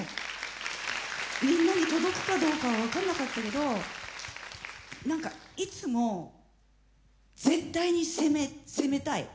みんなに届くかどうかは分かんなかったけど何かいつも絶対に攻め攻めたい。